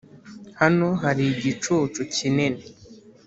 hano hari igicucu cyinini